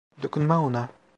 Dokunma ona!